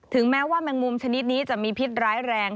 แม้ว่าแมงมุมชนิดนี้จะมีพิษร้ายแรง